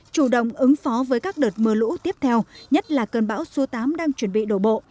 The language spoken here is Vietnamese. chủ động ứng phó với các đợt mưa lũ tiếp theo nhất là cơn bão số tám đang chuẩn bị đổ bộ